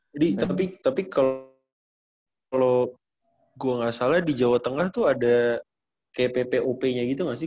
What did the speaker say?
tapi kalau gue gak salah di jawa tengah tuh ada kayak ppop nya gitu gak sih